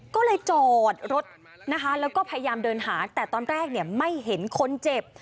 ก็เลยจอดรถนะคะแล้วก็พยายามเดินหาแต่ตอนแรกเนี่ยไม่เห็นคนเจ็บ